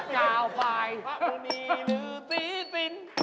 ก้าวฟ้ายพระมือนีรือซีสิน